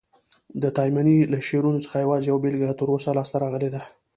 د تایمني له شعرونو څخه یوازي یوه بیلګه تر اوسه لاسته راغلې ده.